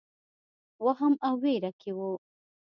وهم او وېره کې وو.